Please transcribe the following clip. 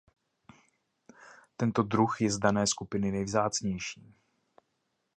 Tento druh je z dané skupiny nejvzácnější.